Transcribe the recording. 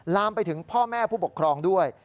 ลามไปถึงพ่อแม่ผู้ปกครองด้วย